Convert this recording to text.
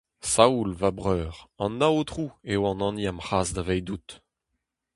Saoul, va breur, an Aotrou eo an hini am c’has davedout.